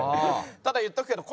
ただ言っとくけど。